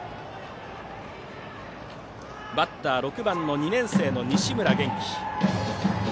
バッターは６番の２年生の西村元希。